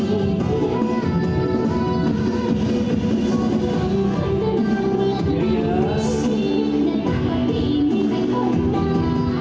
สุดท้ายก็ไม่มีเวลาที่จะรักกับที่อยู่ในภูมิหน้า